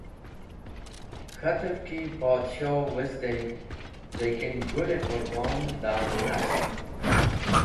K̃hatev ki Podshoh wezdey likin Gũl-e Qurbon da’n nast.